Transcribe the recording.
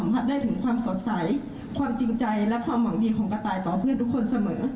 ผัดได้ถึงความสดใสความจริงใจและความหวังดีของกระต่ายต่อเพื่อนทุกคนเสมอ